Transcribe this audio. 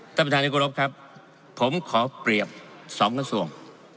ท่านประธานกุฎพครับผมขอเปรียบ๒กระทรวง